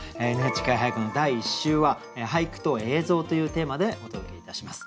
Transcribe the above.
「ＮＨＫ俳句」の第１週は「俳句と映像」というテーマでお届けいたします。